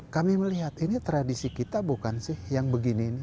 kami melihat ini tradisi kita bukan sih yang begini ini